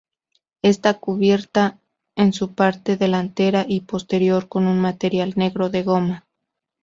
Está cubierta en su parte delantera y posterior con un material negro, de goma.